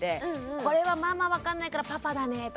これはママ分かんないからパパだねとか。